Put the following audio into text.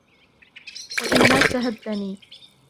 وَإِنْ مَاتَ هَدَّنِي